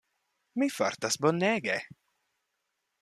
Mi fartas bonege.